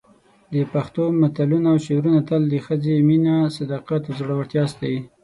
د پښتو متلونه او شعرونه تل د ښځې مینه، صداقت او زړورتیا ستایي.